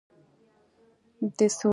د سوډیم مالګه جوړوي.